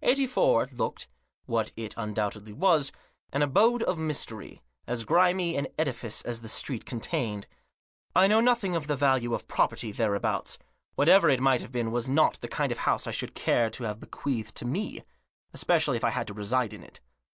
Eighty four looked, what it undoubtedly was, an abode of mystery, as grimy an edifice as the street contained. I know nothing of the value of property thereabouts ; whatever it might have been it was not the kind of house I should care to have bequeathed to me. Especially if I had to reside in it.